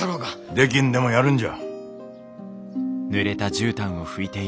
できんでもやるんじゃ。